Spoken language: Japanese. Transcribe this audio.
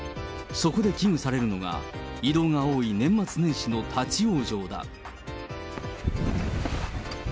そこで危惧されるのが、移動が多い年末年始の立往生だ。